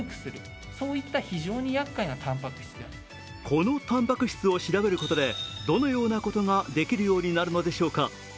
このたんぱく質を調べることでどのようなことができるようになるのでしょうか。